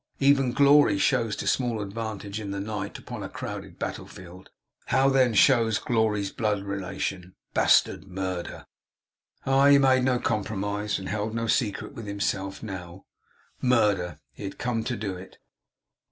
Even Glory shows to small advantage in the night, upon a crowded battle field. How then shows Glory's blood relation, bastard Murder! Aye! He made no compromise, and held no secret with himself now. Murder. He had come to do it.